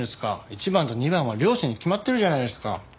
１番と２番は両親に決まってるじゃないですか。